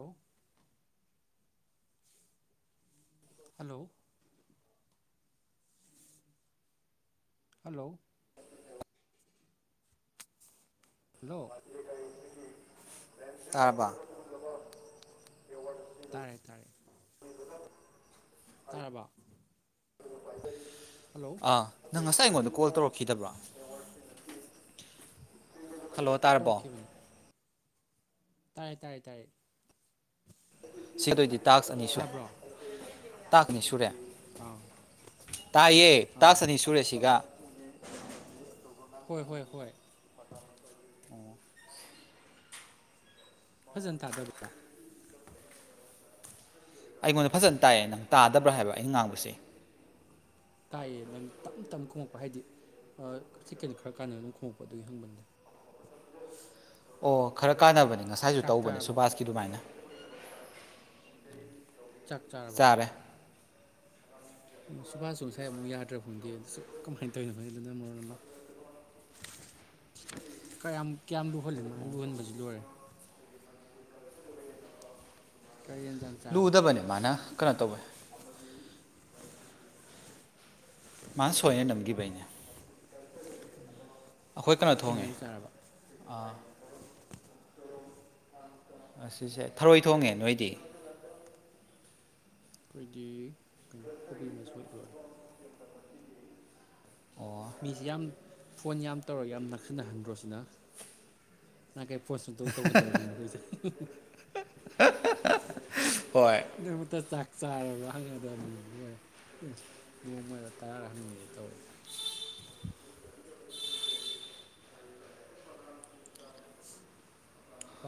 ꯑꯣ hello hello [inaudible] ꯂꯣ ꯇꯔꯔꯕ ꯇꯥꯔꯦ ꯇꯥꯔꯦ ꯎ ꯇꯥꯔꯕ ꯍꯜꯂꯣ [inaudible] ꯑꯥ ꯅꯪ ꯇꯥꯏꯉꯣꯟ ꯀꯣꯜ ꯇꯧꯔꯛꯈꯤꯗꯕ꯭ꯔꯥ ꯍꯜꯂꯣ ꯇꯥꯔꯕꯣ ꯇꯥꯏ ꯇꯥꯏ ꯇꯥꯏ ꯁꯤꯗꯣꯏꯗꯤ ꯇꯥꯛꯁ ꯑꯅꯤ ꯁ ꯇꯥꯛꯅꯤ ꯁꯨꯔꯦ ꯑꯥ ꯇꯥꯏꯌꯦ ꯑꯥ ꯇꯥꯁꯅꯤ ꯁꯨꯔꯨꯔꯦꯁꯤꯒ ꯍꯣꯏ ꯍꯣꯏ ꯍꯣꯏ ꯐꯖꯅ ꯊꯥꯗꯕ꯭ꯔꯥ ꯑꯩꯉꯣꯟꯗ ꯐꯖꯅ ꯇꯥꯛꯌꯦ ꯅꯪ ꯇꯥꯗꯕ꯭ꯔꯥ ꯍꯥꯏꯕ ꯑꯩꯅ ꯉꯥꯡꯕꯁꯦ ꯇꯥꯏꯑꯦ ꯅꯪ ꯇꯞ ꯇꯞ ꯈꯨꯝꯃꯛꯄ ꯍꯥꯏꯗꯤ ꯆꯤꯛꯀꯟ ꯈꯔ ꯀꯥꯟꯅ ꯑꯗꯨꯝ ꯈꫭꯡꯉꯛꯄꯥ ꯑꯗꯨꯒꯤ ꯍꯪꯕꯅꯤꯗ ꯑꯣ ꯈꯔ ꯀꯥꯟꯅꯕꯅꯦ ꯉꯁꯥꯏꯖꯨ ꯆꯥꯛ ꯇꯧꯕꯅꯦ ꯆꯥꯔꯕꯣ ꯁꯨꯕꯥꯁꯀꯤ ꯑꯗꯨꯃꯥꯏꯅ ꯆꯥꯛ ꯆꯥꯔꯕ ꯆꯥꯔꯦ ꯑꯣ ꯁꯨꯕꯥꯁꯁꯨ ꯉꯁꯥꯏ ꯑꯃꯨꯛ ꯌꯥꯗ꯭ꯔ ꯐꯪꯗꯦ ꯑꯗꯨꯁꯨ ꯀꯃꯥꯏꯅ ꯇꯥꯎꯏꯅꫭ ꯈꯪꯗꯦ ꯑꯗꯨꯅ ꯃꯔꯣꯟ ꯑꯃ ꯀꯌꯥꯝ ꯀꯌꯥꯝ ꯂꯨꯍꯜꯂꯤ ꯃꯥꯅ ꯂꯨꯍꯟꯕꯁꯤ ꯂꯣꯏꯔꯦ ꯀꯔꯤ ꯌꯦꯟꯖꯥꯡ ꯆꯥꯔꯕ ꯂꯨꯗꯕꯅꯦ ꯃꯥꯅ ꯀꯩꯅꯣ ꯇꯧꯋꯦ ꯃꯥ ꯁꯣꯏꯌꯦ ꯅꯝꯒꯤꯕꯩꯅꯦ ꯑꯈꯣꯏ ꯀꯩꯅꯣ ꯀꯩ ꯊꯣꯡꯉꯦ ꯌꯦꯟꯖꯥꯡ ꯆꯥꯔꯕ ꯑꯥ ꯑꯁꯤꯁꯦ ꯊꯔꯣꯏ ꯊꯣꯡꯉꯦ ꯅꯣꯏꯗꯤ ꯑꯩꯈꯣꯏꯗꯤ ꯀꯩꯅꯣ ꯀꯣꯕꯤ ꯃꯆꯣꯏ ꯏꯔꯣꯜꯂꯦ ꯑꯣ ꯃꯤꯖꯦ ꯌꯥꯝ ꯐꯣꯟ ꯌꯥꯝ ꯇꯧꯔꯒ ꯌꯥꯝ ꯅꯛꯁꯤꯟꯅꯍꯟꯗ꯭ꯔꯣ ꯁꯤꯅ ꯅꯍꯥꯟ ꯀꯩ ꯐꯣꯟ ꯁꯨꯡꯇꯧ ꯇꯧꯅꯗꯕ ꯃꯤꯅꯦ ꯑꯈꯣꯏꯁꯦ ꯍꯣꯏ [unintelligible] ꯆꯥꯔꯕꯔꯥ ꯍꯪꯒꯗꯕ ꯃꯤꯗꯤ ꯂꯣꯏꯔꯦ ꯅꯣꯡꯃꯗ ꯇꯔꯥꯔꯛ ꯍꯪꯉꯦꯗꫭ ꯇꯥꯎꯔꯦ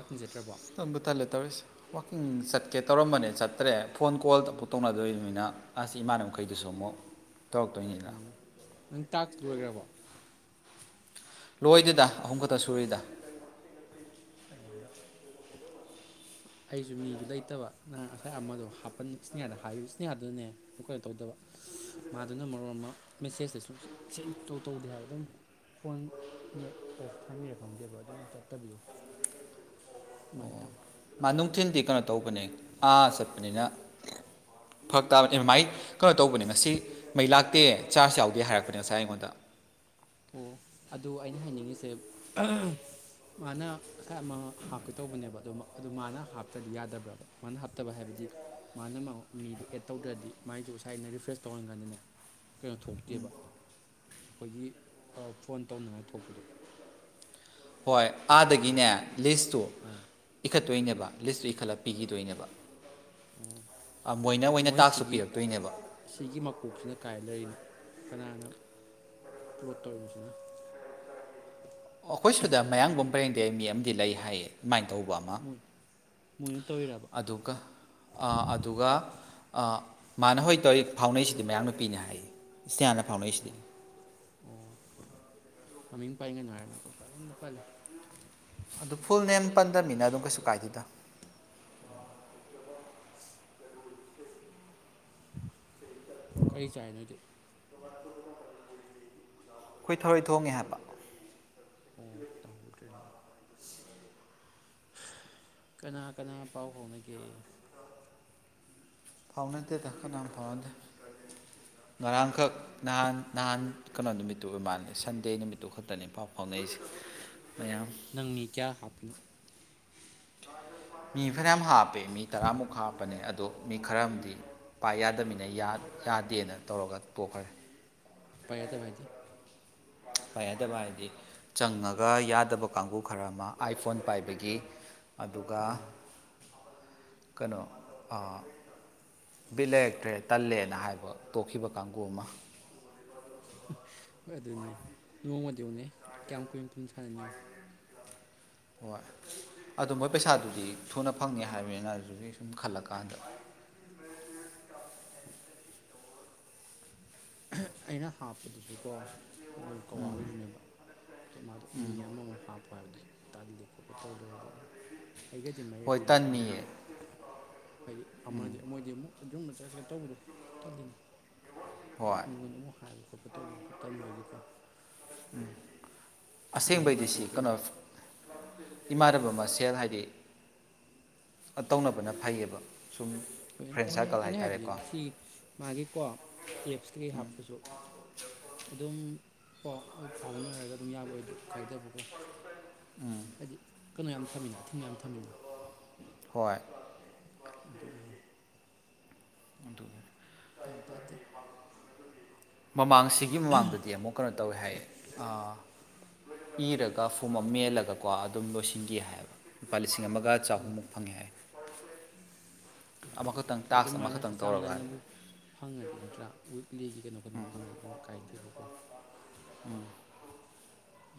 ꯍꯪꯖꯗ꯭ꯔꯕꯣ ꯇꯟꯕꯨ ꯇꯜꯂꯦ ꯇꯧꯔꯤꯁꯦ ꯋꯥꯛꯀꯤꯡ ꯆꯠꯀꯦ ꯇꯧꯔꯝꯕꯅꯦ ꯆꯠꯇ꯭ꯔꯦ ꯐꯣꯟ ꯀꯣꯜ ꯑꯃꯛ ꯇꯧꯅꯗꯣꯏꯅꯤꯅ ꯑꯁ ꯏꯃꯥꯟꯅꯕ ꯃꯈꯩꯗꯨꯁꯨ ꯑꯃꯨꯛ ꯇꯧꯔꯛꯇꯣꯏꯅꯤꯅ ꯑꯣ ꯅꯪ ꯇꯥꯛꯁ ꯂꯣꯏꯒ꯭ꯔꯕꫭ ꯂꯣꯏꯗꯦꯗ ꯑꯍꯨꯝ ꯈꯛꯇ ꯁꯨꯔꯤꯗ ꯑꯩꯁꯨ ꯃꯤꯖꯨ ꯂꯩꯇꯕ ꯅ ꯉꯁꯥꯏ ꯑꯃꯗꯣ ꯍꯥꯞꯄꯟ ꯏꯁꯅꯤꯌꯥꯗ ꯍꯥꯏꯌꯨ ꯏꯁꯅꯤꯌꯥꯗꯨꯅꯦ ꯑꯈꫭꯏꯅ ꯇꯧꯗꯧꯕ ꯃꯥꯗꯨꯅ ꯃꯔꯣ ꯑꯃ ꯃꯦꯁꯦꯁꯇꫭ ꯁꯨꯡꯁꯤꯟꯁ ꯁꯤꯟꯁ ꯁꯛꯇꯧ ꯇꯧꯗꯦ ꯍꯥꯏꯕ ꯑꯗꯨꯝ ꯐꯣꯟ ꯅꯦꯠ ꯑꯣꯐ ꯊꯝꯃꯤꯔ ꯈꯪꯗꯦꯕ ꯑꯗꯨꯝ ꯆꯠꯇꯕꯤꯗꫭ ꯁꯨꯃꯥꯏꯅ ꯇꯧꯋꯤ ꯃꯥ ꯅꯨꯡꯊꯤꯜꯗꯤ ꯀꯩꯅꯣ ꯇꯧꯕꯅꯦ ꯑꯥ ꯆꯠꯄꯅꯤꯅ ꯐꯔꯛ ꯇꯥꯕꯅꯤ ꯑꯗꯨꯃꯥꯏ ꯀꯩꯅꯣ ꯇꯧꯕꯅꯦ ꯉꯁꯤ ꯃꯩ ꯂꯥꯛꯇꯦ ꯆꯥꯔꯖ ꯌꯥꯎꯗꯦ ꯍꯥꯏꯔꯛꯄꯅꯦ ꯉꯁꯥꯏ ꯑꯩꯉꯣꯟꯗ ꯑꯣ ꯑꯗꯨ ꯑꯩꯅ ꯍꯥꯏꯅꯤꯡꯉꯤꯁꯦ ꯃꯥꯅ ꯉꯁꯥꯏ ꯑꯃ ꯍꯥꯞꯀꯦ ꯇꯧꯕꯅꯦꯕ ꯑꯗꯨꯣ ꯑꯗꯨ ꯃꯥꯅ ꯍꯥꯞꯇ꯭ꯔꯗꯤ ꯌꯥꯗꯕ꯭ꯔꯕ ꯃꯥꯅ ꯍꯥꯞꯇꯕ ꯍꯥꯏꯕꯗꯤ ꯃꯥꯅ ꯃꯤꯗꯣ ꯑꯦꯠ ꯇꯧꯗ꯭ꯔꯗꯤ ꯃꯥꯏꯁꯨ ꯉꯁꯥꯏꯅ ꯔꯤꯐ꯭ꯔꯦꯁ ꯇꯧꯔꯟꯀꯥꯟꯗꯅꯦ ꯀꯩꯅꯣ ꯊꯣꯛꯇꯦꯕ ꯑꯩꯈꯣꯏꯒꯤ ꯐꯣꯟ ꯇꯧꯅꯉꯥꯏ ꯊꯣꯛꯄꯗꯣ ꯍꯣꯏ ꯑꯗꯨ ꯊꯣꯛꯇꯦꯕ ꯑꯥꯗꯒꯤꯅꯦ ꯂꯤꯁ ꯑꯥ ꯏꯈꯠꯇꫭꯏ ꯅꯦꯕ ꯂꯤꯁ ꯏꯈꯠꯂ ꯄꯤꯒꯤꯊꫭꯏ ꯅꯦꯕ ꯑꯣ ꯑ ꯃꯣꯏꯅ ꯑꫭꯏꯅ ꯃꯣꯏ ꯇꯥꯛꯁꯇꫭ ꯁꯤꯒꯤ ꯄꯤꯔꯛꯇꯣꯏꯅꯦꯕ ꯁꯤꯒꯤ ꯃꯀꯣꯛꯁꯤꯅ ꯀꯥꯏ ꯂꯩꯔꯤꯅꯣ ꯀꯅꯥꯅ ꯄ꯭ꯂꯣꯠ ꯇꯧꯔꯤꯅꯣꯁꯤꯅ ꯑꯣ ꯑꯈꫭꯏ ꯁꯤꯗ ꯃꯌꯥꯡꯒꯨꯝꯕ ꯏꯟꯗꯤꯌꯟꯒꯤ ꯑꯃꯗꯤ ꯂꯩ ꯍꯥꯏꯌꯦ ꯑꯗꯨꯥꯏꯅ ꯑ ꯇꯧꯕ ꯑꯃ ꯃꯣꯏ ꯃꯣꯏꯅ ꯇꯧꯔꯤꯔꯕ ꯑꯗꯨꯒ ꯑ ꯑꯗꯨꯒ ꯑ ꯃꯥꯅ ꯍꯣꯏ ꯇꯧꯔꯤ ꯐꯥꯎꯅꯩꯁꯤꯗꯤ ꯃꯌꯥꯝꫪ ꫪꯅꯨꯄꯤꯅꯤ ꯍꯥꯏꯌꯦ ꯏꯁꯇꯤꯌꯥꯅ ꯐꯥꯎꯅꯩꯁꯤꯗꯤ ꯑꯣ ꯑꯣ ꯃꯃꯤꯡ ꯄꯥꯟꯒꯅꫭ ꯍꯥꯏꯔꯅ ꯄꯨꯡꯄꯟꯗ ꯄꯜꯂꯦ ꯑꯗꯨ ꯐꯨꯜ ꯅꯦꯝ ꯄꯟꯗꯕꯅꯤꯅ ꯑꯗꯨꯝ ꯀꯩꯁꯨ ꯀꯥꯏꯗꯦꯗ ꯎꯝ ꯀꯔꯤ ꯆꯥꯏ ꯅꯣꯏꯗꯤ ꯑꯩꯈꯣꯏ ꯊꯔꯣꯏ ꯊꯣꯡꯉꯦ ꯍꯥꯏꯕ ꯑꯣ ꯇꯥꯍꯧꯗ꯭ꯔꯦꯅꯦ [unintelligible] ꯀꯅꯥ ꯀꯅꯥ ꯄꯥꯎ ꯐꯥꯎꯅꯒꯦ ꯐꯥꯎꯅꯗꯦꯗ ꯀꯅꯥꯝ ꯐꯥꯎꯅꯗꯦ ꯉꯔꯥꯡꯈꯛ ꯅꯍꯥꯟ ꯅꯍꯥꯟ ꯀꯩꯅꯣ ꯅꯨꯃꯤꯠꯇꯨ ꯑꯣꯏꯕ ꯃꯥꯜꯂꯦ ꯁꯟꯗꯦ ꯅꯨꯃꯤꯠꯇꯨ ꯈꯛꯇꯅꯦ ꯄꯥꯎ ꯐꯥꯎꯅꯔꯤꯁꯦ ꯃꯌꯥꯝ ꯅꯪꯅꯤ ꯀꯌꯥ ꯍꯥꯞꯄꯤꯅꯣ ꯃꯤꯐꯝꯝ ꯍꯥꯞ ꯃꯤ ꯇꯔꯥꯃꯨꯛ ꯍꯥꯞꯄꯅꯦ ꯑꯗꯨ ꯑꯗꯣ ꯃꯤ ꯈꯔ ꯑꯃꯗꯤ ꯄꯥꯛ ꯌꯥꯗꯃꯤꯅ ꯌꯥꯗꯦꯅ ꯇꯧꯔꯒ ꯇꯣꯛꯈ꯭ꯔꯦ ꯄꯥꯏꯗ ꯚꯥꯏꯗꯤ ꯐꯩꯗꯕ ꯍꯥꯏꯗꯤ ꯆꯪꯉꯒ ꯌꯥꯗꯕ ꯀꯥꯡꯕꯨ ꯈꯔ ꯑꯃ ꯑꯥꯏꯐꯣꯟ ꯄꯥꯏꯕꯒꯤ ꯑꯗꯨꯒ ꯎꯝ ꯀꯩꯅꯣ ꯕꯤꯠ ꯂꯩꯔꯛꯇ꯭ꯔꯦ ꯇꯜꯂꯦꯅ ꯍꯥꯏꯕ ꯇꯣꯛꯈꯤꯕ ꯀꯥꯡꯕꯨ ꯑꯃ ꯍꯣꯏ ꯑꯗꯨꯅꯤ ꯅꯣꯡꯃꯗꯤꯧꯅꯦ ꯀꯌꯥꯝ ꯀꯨꯏ ꯑꯗꯨꯅ ꯁꯅꯅꯤꯌ ꯍꯣꯏ ꯑꯗꯨ ꯃꯣꯏ ꯄꯩꯁꯥꯗꯨꯗꯤ ꯊꯨꯅ ꯐꯪꯅꯤ ꯍꯥꯏꯕꯅꯤꯅ ꯑꯗꯨꯗꯒꯤ ꯁꯨꯝ ꯈꯜꯂꯛꯀꯥꯟꯗ [inaudible] ꯑꯩꯅ ꯍꯥꯞꯄꯗꯨꯁꯨꯀꯣ ꯑꯩꯈꯣꯏꯅ ꯀꯋꯥꯗꯁꯨꯅꯦꯕ ꯑꯗꯣ ꯃꯥꯗꯣ ꯃꯤ ꯑꯃꯃꯨꯛ ꯍꯥꯞꯄꯨ ꯍꯥꯏꯕꯗꯤ ꯇꯥꯜꯂꯤ ꯈꯣꯠꯂꯤ ꯇꯧ ꯂꯩꯔꯦ ꯑꯗꯨꯅ ꯑꯩꯒꯗꯤ ꯍꯣꯏ ꯃꯔꯛꯇꯗꯤ ꯁꯥꯟꯅ ꯌꯥꯅꯤ ꯇꯟꯅꯤꯌꯦ ꯑꯗꯣ ꯍꯥꯏꯗꯤ ꯑꯃꯗꯤ ꯃꯣꯏꯗꯤ ꯑꯃꯨꯛ ꯑꯨꯝꯕ ꯆꯠꯁꯤꯒ ꯇꯧꯕꯗꯣ ꯇꯜꯂꯤꯅ ꯍꯥꯏꯗꯤ ꯍꯣꯏ ꯃꯤꯉꯣꯟꯗ ꯑꯃꯨꯛ ꯍꯥꯏꯕ ꯈꯣꯠꯄ ꯇꯧꯕꯗꯁꯨ ꯇꯟꯕꯒꯤꯀꯣ ꯑꯁꯦꯡꯕꯩꯗꯤ ꯑꯉꯥꯡꯃꯨꯛꯁꯨ ꯁꯤ ꯀꯩꯅꯣ ꯅꯠꯇ꯭ꯔꯕꯅꯤ ꯏꯃꯥꯟꯅꯕ ꯃꯁꯦꯜ ꯍꯥꯏꯗꯤ ꯇꯧꯅꯕꯅ ꯐꯩꯌꯦꯕ ꯁꯨꯝ ꯍꯣꯏ ꯐ꯭ꯔꯦꯟ ꯑꯦ ꯁꯥꯔꯀꯜ ꯑꯩꯅ ꯍꯥꯏꯕꯗꯤ ꯍꯥꯏꯇꯥꯔꯦꯀꯣ ꯁꯤ ꯃꯥꯒꯤꯀꯣ ꯂꯤꯞꯁꯀꯤ ꯍꯥꯞꯄꯁꯨ ꯑꯗꯨꯝ ꯄ ꯐꯥꯎꯅꯔꯒ ꯑꯗꯨꯝ ꯌꯥꯕ ꯑꯣꯏ ꯀꯥꯏꯗꯕꯀꯣ ꯍꯥꯏꯗꯤ ꯀꯩꯅꯣ ꯌꯥꯝ ꯊꯝꯃꯤꯅ ꯑꯊꯤꯡꯕ ꯌꯥꯝ ꯊꯝꯃꯤꯅ ꯍꯣꯏ ꯑꯗꯨꯒꯤ ꯋꯥ ꯑꯗꯨ ꯇ ꯒ꯭ꯌꯥꯟ ꯇꯥꯗꯦ ꯃꯃꯥꯡꯁꯤꯒꯤ ꯃꯃꯥꯡꯗꯗꯤ ꯑꯃꯨꯛ ꯀꯩꯅꯣ ꯇꯧꯋꯤ ꯍꯥꯏ ꯏꯔꯒ ꯐꯨꯝ ꯑꯃ ꯃꯦꯜꯂꯒꯀꯣ ꯑꯗꯨꯝ ꯂꯣꯏꯁꯤꯟꯒꯦ ꯍꯥꯏꯕ ꯂꯨꯄꯥ ꯂꯤ ꯂꯤꯁꯤꯡ ꯑꯃꯒ ꯎꯝ ꯆꯍꯨꯝꯃꯨꯛ ꯐꯪꯉꯦ ꯍꯥꯏ ꯑꯃꯈꯛꯇꯪ ꯍꯣꯏ ꯑꯗꯨꯝ ꯇꯥꯛꯁ ꯑꯃꯈꯛꯇ ꯃꯥꯅꯁꯨ ꯆꯥꯡ ꯅꯥꯏꯅꯕꯨ ꯐꯪꯉꯗꯤ ꯅꯠꯇ꯭ꯔꯥ ꯋꯤꯛꯂꯤꯒꯤ ꯀꯩꯅꯣ ꯀꯩꯅꯣ ꯐꯪꯉꯗꯤ ꯑꯗꯨꯝ ꯀꯥꯏꯗꯦꯕꯀꯣ ꯎꯝ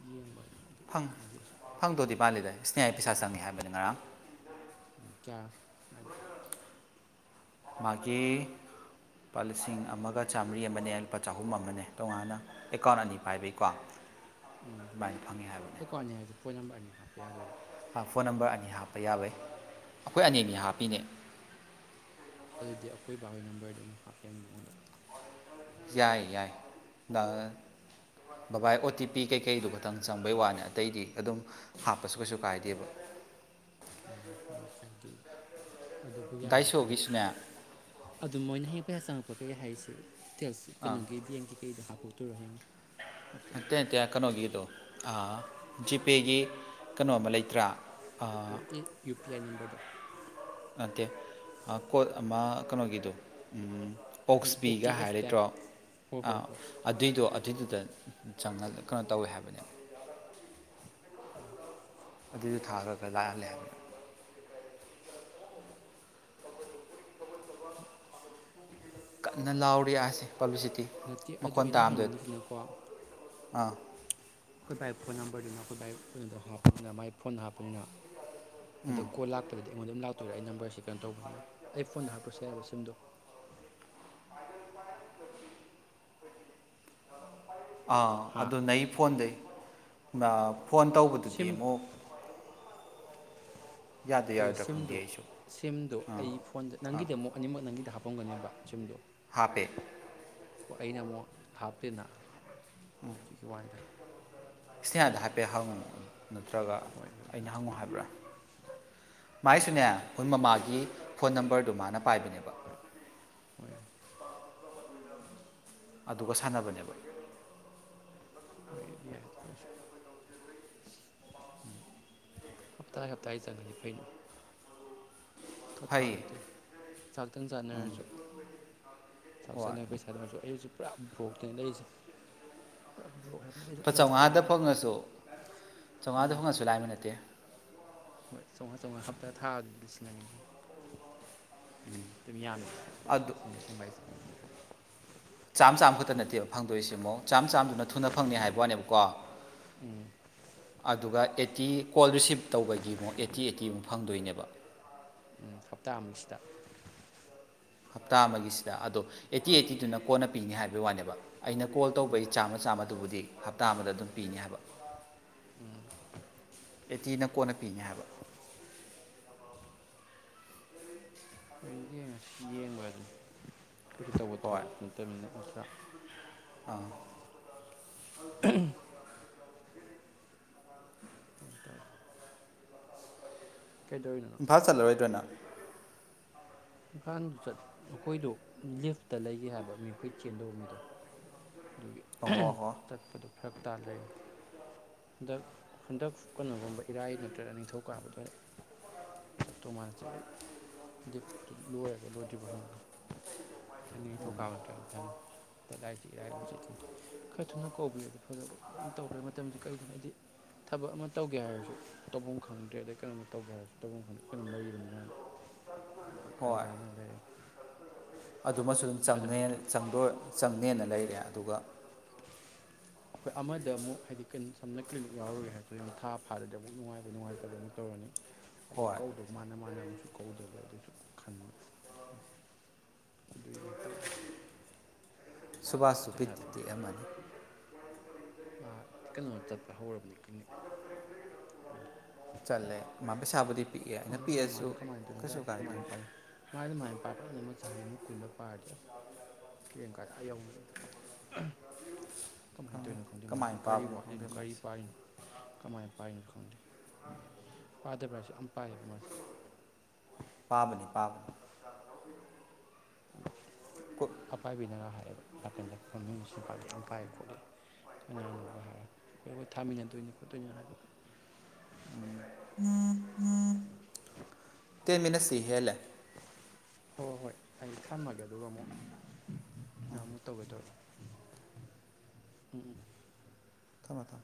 ꯌꯦꯡꯕ ꯍꯥꯏꯅ ꯑꯗꯨ ꯪ ꯈꯪꯗꯦꯁꯨ ꯐꯪꯗꯣꯗꯤ ꯃꯥꯜꯂꯤꯗ ꯏꯁꯅꯤꯌꯥ ꯄꯩꯁꯥ ꯆꯪꯉꯦ ꯍꯥꯏꯕꯅꯤ ꯉꯔꯥꯡ ꯃꯥꯒꯤ ꯃꯥꯒꯤ ꯂꯨꯄꯥ ꯂꯤꯁꯤꯡ ꯑꯃꯒ ꯆꯥꯝꯃ꯭ꯔꯤ ꯑꯃꯅꯦ ꯂꯨꯄꯥ ꯆꯍꯨꯝ ꯑꯃꯅꯦ ꯇꯣꯉꯥꯟꯅ ꯑꯦꯀꯥꯎꯟ ꯑꯅꯤ ꯄꯥꯏꯕꯩꯀꯣ ꯎꯝ ꯑꯗꯨꯃꯥꯏꯅ ꯐꯪꯉꯦ ꯍꯥꯏꯕꯅꯦ ꯑꯩꯀꯣꯅꯤ ꯍꯥꯏꯁꯦ ꯐꯣꯟ ꯅꯝꯕꯔ ꯑꯅꯤ ꯍꯥꯞ ꯐꯣꯟ ꯅꯝꯕꯔ ꯑꯅꯤ ꯍꯥꯞꯄ ꯌꯥꯕ꯭ꯔ ꯑꯩꯈꯣꯏ ꯑ ꯍꯥꯞꯄꯤꯅꯦ ꯑꯗꯨꯗꯤ ꯑꯀꯣꯏ ꯕꯥꯕꯒꯤ ꯅꯝꯕꯔꯗ ꯑꯗꯨꯝ ꯍꯥꯞꯄ ꯌꯥꯅꯤ ꯅꯉꯣꯟꯗ ꯌꯥꯏ ꯌꯥꯏ ꯕꯕꯥꯏ ꯑꯣ ꯇꯤ ꯄꯤ ꯀꯩꯀꯩꯗꯨ ꯈꯇꯪ ꯆꯪꯕꯩ ꯋꯥꯅꯤ ꯑꯇꯩꯗꯤ ꯑꯗꯨꯝ ꯍꯥꯞꯄꯁꯨ ꯀꯩꯁꯨ ꯀꯥꯏꯗꯦꯕ ꯎꯝ ꯍꯣꯏ ꯀꯥꯏꯗꯦ ꯑꯗꯨꯕꯨ ꯌꯥꯔꯗꯤ ꯐꯩꯅꯤ ꯗꯥꯏꯁꯣꯒꯤꯁꯨꯅꯦ ꯑꯗꯨ ꯃꯣꯏꯅ ꯍꯌꯦꯡ ꯄꯌꯥ ꯆꯪꯉꯛꯄ ꯋꯥꯈꯩ ꯍꯥꯏꯁꯦ ꯑꯥ ꯀꯩꯅꯣꯒꯦꯕꯤꯡ ꯀꯩꯗ ꯍꯥꯞ ꯊꯣꯛꯇꯣꯔꯍꯌꯤꯡ ꯅꯇꯦ ꯅꯛꯇꯦ ꯀꯩꯅꯣꯒꯤꯗꯣ ꯖꯤꯄꯦꯒꯤ ꯀꯩꯅꯣꯃ ꯂꯩꯇ꯭ꯔꯥ ꯑꯣ ꯌꯨ ꯄꯤ ꯑꯥꯏ ꯅꯝꯕꯔ ꯠꯇ ꯅꯠꯇꯦ ꯀꯣꯠ ꯑꯃ ꯀꯩꯅꯣꯒꯤꯗꯣ ꯍꯣꯏ ꯄꯣꯛꯁꯕꯤꯒ ꯑꯣꯀꯦ ꯑꯦꯁ ꯕꯤ ꯍꯥꯏꯔꯠꯇ꯭ꯔꯣ ꯑꯥꯏ ꯍꯣꯏ ꯍꯣꯏ ꯑꯥ ꯍꯣꯏ ꯑꯗꯨꯏꯗꯣ ꯤꯗꯨꯗ ꯆꯉ ꯀꯩꯅꯣ ꯇꯧꯋꯦ ꯍꯥꯏꯕꯅꯦꯕ ꯑꯗꯨꯗ ꯊꯥꯔꯒ ꯂꯥꯛꯍꯜꯂꯦꯃꯦ ꯀꯟꯅ ꯂꯥꯎꯔꯤ ꯑꯁꯦ ꯄꯕ꯭ꯂꯤꯁꯤꯇꯤ ꯅꯠꯇꯦ ꯑꯗꯣ ꯃꯈꯣꯟ ꯑꯩꯅ ꯇꯥꯝꯗꯗꯤ ꯍꯥꯏꯅꯤꯡꯉꯤꯁꯤꯅꯀꯣ ꯑꯥ ꯑꯩꯈꯣꯏ ꯕꯥꯏ ꯐꯣꯟ ꯅꯝꯕꯔꯗꯨꯅ ꯑꯩꯈꯣꯏ ꯕꯥꯏ ꯀꯩꯅꯣꯗ ꯍꯥꯞꯄꯅꯤꯅ ꯃꯥꯏ ꯐꯣꯟ ꯍꯥꯞꯄꯅꯤꯅ ꯑꯗꯣ ꯀꯣꯜ ꯂꯥꯛꯄꯗꯗꯤ ꯑꯩꯉꯣꯟꯗ ꯑꯗꯨꯝ ꯂꯥꯎ ꯇꯣꯏꯔꯦ ꯑꯩ ꯅꯝꯕꯔꯁꯤꯦ ꯀꯩꯅꯣ ꯇꯧꯕꯅꯤꯅ ꯑꯩ ꯐꯣꯟꯗ ꯍꯥꯞꯄꯁꯨ ꯌꯥꯏꯕ ꯁꯤꯝꯗꯣ ꯑꯥ ꯍꯥ ꯑꯗꯨ ꯅ ꯐꯣꯟꯗꯩ [unintelligible] ꯐꯣꯟ ꯇꯧꯕꯗꯨꯗꯤ ꯁꯤꯝ ꯑꯃꯨꯛ ꯌꯥꯗꯣꯏ ꯍꯣꯏ ꯌꯥꯔꯣꯏꯗ꯭ꯔꯥ ꯈꯪꯗꯦ ꯁꯤꯝꯗꯣ ꯑꯩꯁꯨ ꯁꯤꯝꯗꯣ ꯑꯥ ꯑꯩ ꯐꯣꯟꯗ ꯑꯥ ꯅꯪꯒꯤꯗ ꯑꯃꯨꯛ ꯑꯅꯤꯃꯛ ꯅꯪꯒꯤꯗ ꯍꯥꯞꯄꯝꯒꯅꯦꯕ ꯁꯤꯝꯗꯣ ꯍꯥꯞꯄꯦ ꯑꯩꯅ ꯑꯃꯨꯛ ꯍꯥꯞꯇꯦꯅ ꯍꯥꯏꯒꯤ ꯋꯥꯏꯗ ꯁꯤꯅꯦ ꯑꯗ ꯍꯥꯞꯄꯦ ꯍꯥꯎ ꯅꯠꯇ꯭ꯔꯒ ꯍꯣꯏ ꯑꯗꯨꯒꯤ ꯑꯩꯅ ꯍꯪꯉꯤ ꯍꯪꯉꯨ ꯍꯥꯏꯕ꯭ꯔꯥ ꯍꯣꯏ ꯃꯥꯏꯁꯨꯅꯦ ꯀꯥꯏꯗꯦ ꯑꯩꯈꯣꯏ ꯃꯃꯥꯒꯤ ꯐꯣꯟ ꯅꯝꯕꯔꯗꯨ ꯃꯥꯅ ꯄꯥꯏꯕꯅꯦꯕ ꯍꯣꯏ ꯑꯗꯨꯒ ꯁꯥꯟꯅꯕꯅꯦꯕ ꯃꯗꯤ ꯍꯥꯏꯁꯨ ꯎꯝ ꯍꯞꯇꯥ ꯍꯞꯇꯥ ꯆꯪꯉꯗꯤ ꯐꯩꯅ ꯈꯔ ꯊꯥ ꯐꯩ ꯅꯠꯇꯦ ꯆꯥꯛꯇꯪ ꯆꯥꯅꯔꯁꯨ ꯆꯥꯛ ꯍꯣꯏ ꯆꯥꯅꯔ ꯄꯩꯁꯥꯗꯣ ꯑꯣꯏꯁꯨ ꯑꯩ ꯍꯧꯖꯤꯛ ꯄꯨꯔꯥ ꯕ꯭ꯔꯣꯛꯇ ꯂꯩꯔꯤꯁꯦ ꯄꯨ ꯕꯣꯛ ꯍꯥꯏ ꯂꯨꯄꯥ ꯆꯥꯝꯃꯉꯥꯗ ꯐꯪꯉꯁꯨ ꯆꯥꯝꯃꯉꯥꯗ ꯃꯥꯅꯤ ꯐꯪꯉꯁꯨ ꯂꯥꯏꯕ ꯅꯠꯇꯦ ꯍꯣꯏ ꯆꯪꯉꯥ ꯆꯪꯉ ꯍꯞꯇꯥ ꯊꯥꯕ ꯑꯗꯨꯗꯤ ꯂꯤꯁꯤꯡꯒꯅꯤ ꯑꯗꯨꯝ ꯌꯥꯃꯤꯗꯨꯗꯤ [unintelligible] ꯆꯥꯝꯃ ꯆꯥꯝꯃ ꯈꯛꯇ ꯅꯠꯇꯦꯕ ꯐꯪꯗꯣꯏꯁꯤ ꯆꯥꯝ ꯆꯥꯝꯗꯨꯅ ꯊꯨꯅ ꯐꯪꯅꯤ ꯍꯥꯏꯕ ꯋꯥꯅꯦꯕꯀꯣ ꯎꯝ ꯑꯗꯨꯒ ꯑꯦꯆ ꯑꯩꯠꯇꯤ ꯀꯣꯜ ꯔꯤꯁꯤꯞ ꯇꯧꯕꯒꯤ ꯑꯃꯨꯛ ꯑꯩꯠꯇꯤ ꯑꯩꯠꯇꯤꯃꯨꯛ ꯐꯪꯗꯣꯏꯅꯦꯕ ꯎꯝ ꯍꯞꯇꯥꯃꯨꯛꯁꯤꯗ ꯍꯞꯇꯥ ꯑꯃꯒꯤꯁꯤꯗ ꯑꯗꯣ ꯑꯩꯠꯇꯤ ꯑꯩꯠꯇꯤꯗꯨꯅ ꯀꯣꯟꯅ ꯄꯤꯅꯤ ꯍꯥꯏꯕꯒꯤ ꯋꯥꯅꯦꯕ ꯑꯩꯅ ꯀꯣꯜ ꯎꯝ ꯇꯧꯕꯩ ꯆꯥꯝꯃ ꯆꯥꯝꯃꯗꯨꯕꯨꯗꯤ ꯍꯞꯇꯥ ꯑꯃꯗ ꯑꯗꯨꯝ ꯄꯤꯅꯤ ꯍꯥꯏꯕ ꯎꯝ ꯑꯦꯇꯤꯅ ꯀꯣꯟꯅ ꯄꯤꯅꯤ ꯍꯥꯏꯕ ꯑꯩ ꯌꯦꯡꯉꯁꯤ ꯌꯦꯡꯕꯗꯅ ꯀꯩꯁꯨ ꯇꯧꯕ ꯍꯣꯏ ꯊꯕꯁꯨ ꯅꯠꯇꯕꯅꯤꯅ ꯑ ꯇ꯭ꯔꯥ ꯑꯥ ꯎ ꯌꯦꯇ ꯏꯝꯐꯥ ꯆꯠꯂꯔꯣꯏꯗꯣꯏꯅ ꯏꯝꯐꯥꯜꯗꯨꯠ ꯑꯩꯈꯣꯏꯗꯣ ꯂꯤꯐꯇ ꯂꯩꯒꯦ ꯍꯥꯏꯕ ꯃꯤ ꯑꯩꯈꯣꯏ ꯆꯦꯟꯗꯧꯕ ꯃꯤꯗꯣ ꯑꯗꯨꯒꯤ ꯑꯣ ꯍꯣ ꯍꯣ ꯆꯠꯄꯗ ꯐꯔꯛ ꯇꯥꯗꯔꯤꯅꯤ ꯍꯟꯗꯛ ꯍꯟꯗꯛ ꯀꯩꯅꯣꯒꯨꯝꯕ ꯏꯔꯥꯏ ꯅꯠꯇ꯭ꯔꯒ ꯅꯤꯡꯊꯧꯀꯥꯕꯗꯣ ꯇꯣꯥꯆ ꯑꯗꯨ ꯂꯣꯏꯦꯕ ꯂꯣꯏꯗ꯭ꯔꯤꯕ ꯍꯪꯒ ꯃꯊꯪꯒꯤ ꯊꯧꯀꯥꯕ ꯅꯇ꯭ꯔ ꯃꯊꯪ ꯂꯥꯏꯁꯤ ꯏꯔꯥꯏ ꯑꯃꯨꯛ ꯆꯠꯀꯅꯤ ꯈꯔ ꯊꯨꯅ ꯀꯧꯕꯤꯔꯨꯗꯤ ꯐꯗꯣ ꯑꯗꯨꯝ ꯇꯧꯈ꯭ꯔꯦ ꯃꯇꯝꯁꯤꯦ ꯀꯔꯤꯒꯤꯅꯣ ꯍꯥꯏꯗꯤ ꯊꯕꯛ ꯑꯃ ꯇꯧꯒꯦ ꯍꯥꯏꯔꯁꯨ ꯇꯧꯐꯝ ꯈꯪꯗ꯭ꯔꯦ ꯑꯗꯩ ꯀꯩꯅꯣꯝ ꯇꯧꯒꯦ ꯍꯥꯏꯔꯁꯨ ꯇꯧꯐꯝ ꯈꯪꯗ꯭ꯔꯦ ꯑꯩꯈꯣꯏꯅ ꯂꯩꯔꯤꯕꯅꯤꯅ ꯍꯥꯟꯅ ꯍꯥꯏ ꯍꯣꯏ ꯈꯟꯖꯅ ꯂꯩꯔꯦ ꯑꯗꯨꯃꯁꯨ ꯑꯗꯨꯝ ꯑꯗꯨꯕꯨꯗꯣ ꯆꯪꯅꯦꯅ ꯂꯩꯔꯦ ꯑꯗꯨꯒ ꯑꯩꯈꯣꯏ ꯑꯃꯗ ꯑꯃꯨꯛ ꯍꯥꯏꯗꯤ ꯀ ꯁꯝꯅ ꯀ꯭ꯂꯤꯅꯤꯛ ꯌꯥꯎꯔꯒꯦ ꯍꯥꯏꯔꯗꯤ ꯑꯃꯨꯛ ꯊꯥ ꯐꯥꯔꯗꯤ ꯑꯃꯨꯛ ꯅꯨꯡꯉꯥꯏꯕ ꯅꯨꯡꯉꯥꯏꯇꯕ ꯑꯃꯨꯛ ꯇꯧꯔꯅꯤ꯫ ꯑꯗꯩ ꯍꯣꯏ ꯀꯧꯗꯣ ꯃꯥꯅ - ꯃꯥꯅ ꯑꯃꯨꯛꯁꯨ ꯀꯧꯗꯔꯦ ꯑꯗꯨꯁꯨ ꯈꯟꯕ꯫ ꯑꯗꯨꯏꯅꯦ ꯇꯧꯔꯤꯁꯦ꯫ ꯁꯨꯕꯥꯁ ꯁꯨ ꯄꯩꯁꯥ ꯕꯤꯠꯇꯤ ꯇꯦꯛ ꯊꯣꯛꯇ꯭ꯔꯦ ꯑꯝꯃꯅꯤ꯫ ꯀꯩꯅꯣ ꯆꯠꯄ ꯍꯧꯔꯕꯅꯤ ꯀꯂꯤꯅꯤꯛ꯫ ꯆꯠꯂꯦ ꯃꯥ ꯄꯩꯁꯕꯨꯗꯤ ꯈꯪꯗꯦꯗꯣ ꯃꯥꯅ ꯀꯃꯥꯏꯅ ꯇꯧꯔꯤꯅꯤ ꯂꯥꯏꯔꯤꯛꯁꯦ ꯀꯃꯥꯏꯅ ꯄꯥꯏꯔꯤ ꯃꯥꯏ ꯑꯗꯨ ꯃꯥꯏ [unintelligible] ꯆꯍꯤ ꯑꯃ ꯀꯨꯜꯂ ꯄꯥꯔꯗꯤ ꯑꯁ ꯔꯦꯡ ꯀꯥ ꯑꯥ ꯌꯧꯅꯤ꯫ ꯀꯃꯥꯏꯅ ꯇꯧꯔꯤꯅꯣ ꯈꯪꯗꯦ ꯀꯃꯥꯏꯅ ꯃꯥꯁꯤꯅ ꯀꯔꯤ ꯄꯥꯕꯅꯣ ꯋꯥꯠꯂꯤꯅꯣ ꯈꯪꯗꯦ ꯀꯔꯤ ꯃꯥꯏꯁꯦ ꯄꯥꯔꯤꯅꯣ ꯀꯃꯥꯏ ꯄꯥꯏꯅꯁꯨ ꯈꯪꯗꯦ ꯄꯥꯗꯕ꯭ꯔ ꯍꯥꯏꯁꯨ ꯌꯥꯝ ꯄꯥꯏꯌꯦꯕ ꯃꯥꯁꯦ꯫ ꯄꯥꯕꯅꯤ - ꯄꯥꯕꯅꯤ꯫ ꯀꯨ ꯑꯄꯥꯏꯕꯤꯅꯔ ꯍꯥꯏ ꯍꯥꯏꯕ ꯅꯥꯀꯟꯗ ꯐꯝꯃꯤ ꯁꯤ ꯄꯗꯦ ꯌꯥꯝ ꯄꯥꯏꯑ ꯈꯣꯠꯂꯦ ꯀꯅꯥꯅꯣꯒ ꯍꯥꯏꯔꯒ ꯑꯩꯈꯣꯏ ꯑꯩꯈꯣꯏ ꯊꯥꯃꯤꯟꯅꯗꯣꯏꯅꯤ ꯈꯣꯠꯇꯣꯏꯅꯤ ꯍꯥꯏꯕ꯫ ꯇꯦꯟ ꯃꯤꯅꯠꯁ ꯇꯤ ꯍꯦꯜꯂꯦ꯫ ꯍꯣꯏ - ꯍꯣꯏ ꯑꯩ ꯊꯝꯃꯒꯦ ꯑꯗꯨꯒ ꯑꯃꯨꯛ ꯅꯪ ꯑꯃꯨꯛ ꯇꯧꯒꯦ ꯇꯧꯔꯣ ꯎꯝ - ꯎꯝ꯫ ꯊꯝꯃꯣ ꯊꯝꯃꯣ